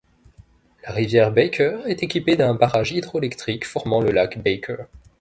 La rivière Baker est équipée d'un barrage hydroélectrique formant le lac Baker.